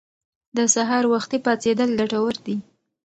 د سهار وختي پاڅیدل ګټور دي.